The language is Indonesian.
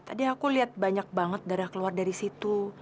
tadi aku lihat banyak banget darah keluar dari situ